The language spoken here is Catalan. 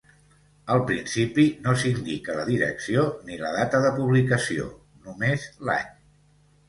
Al principi no s'indica la direcció ni la data de publicació, només l'any.